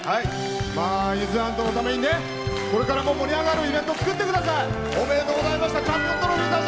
伊豆のためにこれからも盛り上がるイベント作ってください。